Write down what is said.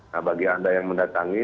nah bagi anda yang mendatangi